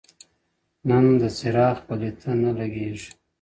o نن د څراغ پليته نــــــه لـــــگــيــــــــــــږي؛